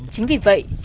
chính vì vậy